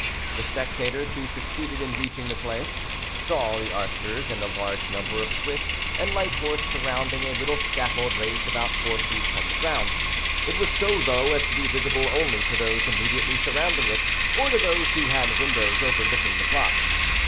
The spectators who succeeded in reaching the Place saw the archers and a large number of Swiss and light horse surrounding a little scaffold raised about four feet from the ground. It was so low as to be visible only to those immediately surrounding it, or to those who had windows overlooking the Place.